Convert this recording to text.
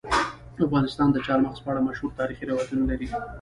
افغانستان د چار مغز په اړه مشهور تاریخی روایتونه لري.